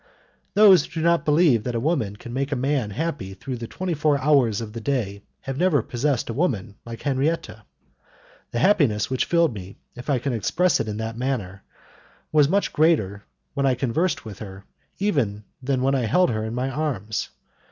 Those who do not believe that a woman can make a man happy through the twenty four hours of the day have never possessed a woman like Henriette. The happiness which filled me, if I can express it in that manner, was much greater when I conversed with her even than when I held her in my arms.